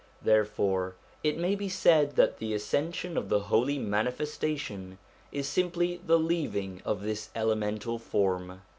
Therefore it may be said that the ascension of the Holy Manifestation is simply the leaving of this elemental form.